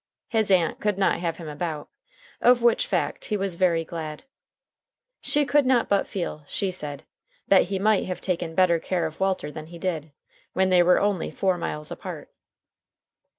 His aunt could not have him about, of which fact he was very glad. She could not but feel, she said, that he might have taken better care of Walter than he did, when they were only four miles apart.